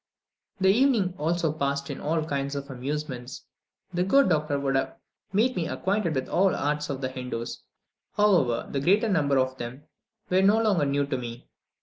The evening was passed in all kinds of amusements. The good doctor would have made me acquainted with all the arts of the Hindoos; however, the greater number of them were no longer new to me.